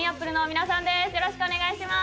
よろしくお願いします。